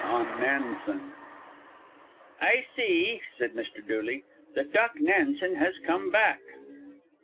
ON NANSEN. "I see," said Mr. Dooley, "that Doc Nansen has come back."